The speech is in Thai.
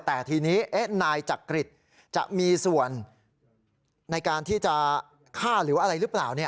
แต่ทีนี้นายจักริตจะมีส่วนในการที่จะฆ่าหรืออะไรหรือเปล่า